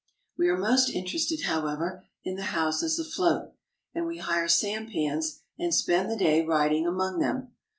We are most interested, however, in the houses afloat, and we hire sampans and spend the day, riding among them.